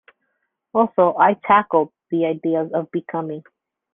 Also, I tackled the idea of becoming.